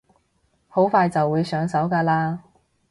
好快就會上手㗎喇